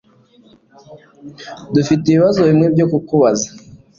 Dufite ibibazo bimwe byo kukubaza